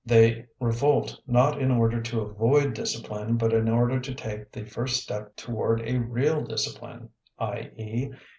They revolt not in order to avoid discipline, but in order to take the first step toward a real discipline, i. e.